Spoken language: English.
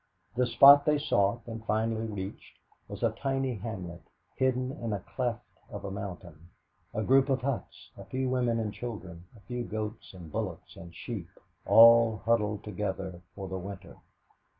The spot they sought, and finally reached, was a tiny hamlet, hidden in a cleft of a mountain a group of huts, a few women and children, a few goats and bullocks and sheep all huddled together for the winter.